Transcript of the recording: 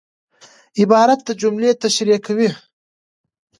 عبارت د جملې تشریح کوي.